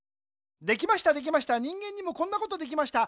できましたできました人間にもこんなことできました。